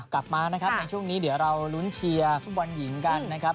กลับมานะครับในช่วงนี้เดี๋ยวเราลุ้นเชียร์ฟุตบอลหญิงกันนะครับ